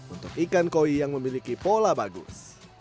untuk ikan koi yang memiliki pola bagus